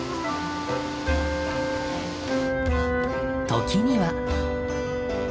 時には。